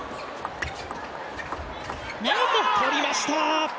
とりました！